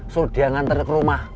sudah ngantar ke rumah